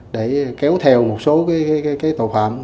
để kéo theo một số cái tội phạm